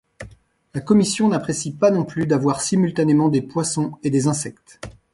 La commission n'apprécie pas non plus d'avoir simultanément des poissons et des insectes.